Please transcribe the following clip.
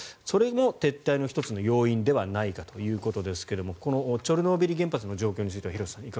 それも撤退の１つの要因ではないかということですがこのチョルノービリ原発の状況については廣瀬さん